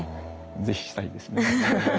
是非したいですね。